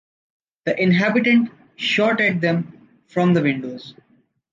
The inhabitants shot at them from their windows.